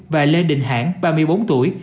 và lê định hãng ba mươi bốn tuổi